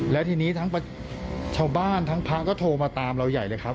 แล้วทีนี้ทั้งชาวบ้านทั้งพระก็โทรมาตามเราใหญ่เลยครับ